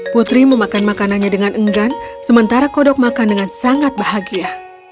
putri memakan makanannya dengan enggan sementara kodok makan dengan sangat bahagia